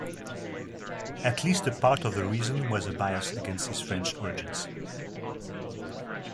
At least a part of the reason was a bias against his French origins.